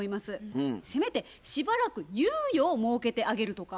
せめてしばらく猶予を設けてあげるとか。